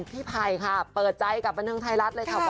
พี่ไพค่ะเปิดใจกับรันทึ่งไทยรัฐเลยะค่ะ